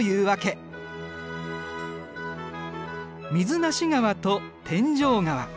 水無川と天井川。